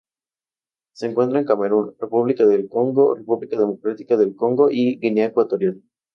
Se encuentran en Camerún, República del Congo, República Democrática del Congo y Guinea Ecuatorial.